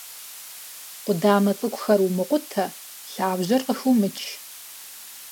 Къудамэ цӀыкӀухэр умыкъутэ, лъабжьэр къыхыумыч.